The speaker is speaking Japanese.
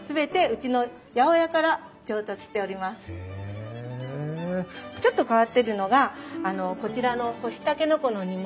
ちょっと変わってるのがこちらの干しタケノコの煮物。